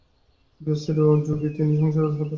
গৃহস্থ যোগী তিনি, সংসারী সাধক।